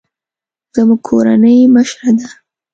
زموږ کورنۍ مشره ده